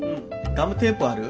ガムテープある？